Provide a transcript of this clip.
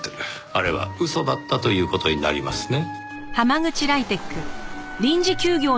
あれは嘘だったという事になりますね。